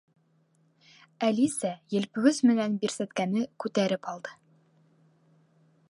Әлисә елпеүес менән бирсәткәне күтәреп алды.